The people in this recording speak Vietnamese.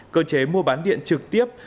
cơ chế mua bán điện trực tiếp